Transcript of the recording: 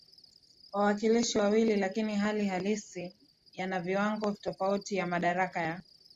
wawakilishi wawili Lakini hali halisi yana viwango tofauti vya madaraka ya